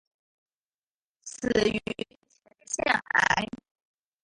死于前列腺癌。